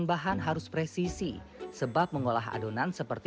padahal tadi di ladang walangnya baru